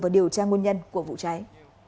và điều tra nguồn nhân của vụ cháy